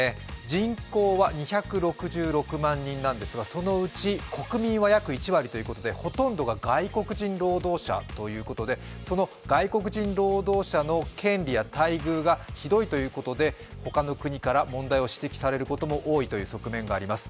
人口は２６６万人なんですが、そのうち国民が約１割ということでほとんどが外国人労働者ということで、その外国人労働者の権利や待遇がひどいということで、他の国から問題を指摘されることが多いという側面もあります。